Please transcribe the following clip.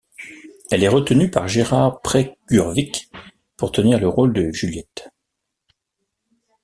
Elle est retenue par Gérard Presgurvic pour tenir le rôle de Juliette.